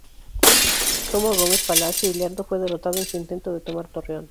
Tomó Gómez Palacio y Lerdo y fue derrotado en su intento de tomar Torreón.